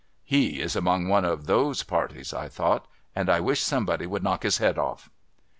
('//f is among one of those parties,' I thought, 'and I wish somebody would knock his head off.')